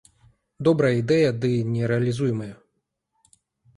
Добрая ідэя, ды нерэалізуемая.